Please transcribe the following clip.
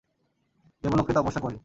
দেবলোকে তপস্যা করি।